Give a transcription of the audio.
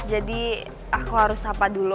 jadi aku harus sapa dulu